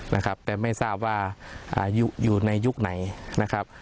นะครับแต่ไม่ทราบว่าอายุอยู่ในยุคไหนนะครับ